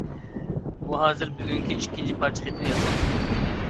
ئۇ ھازىر بۈگۈنكى ئىككىنچى پارچە خېتىنى يازماقچى بولدى.